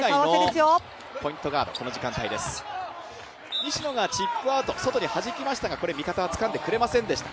西野がティップアウト、外にはじきましたが、味方がつかんでくれませんでした。